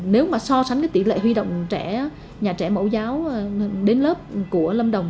nếu mà so sánh cái tỷ lệ huy động trẻ nhà trẻ mẫu giáo đến lớp của lâm đồng